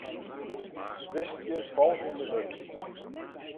Wiskje folgjende wurd.